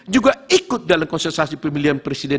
juga ikut dalam konsentrasi pemilihan presiden